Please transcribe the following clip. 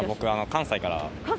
関西から？